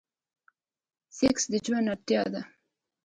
سيکس د ژوند اړتيا ده.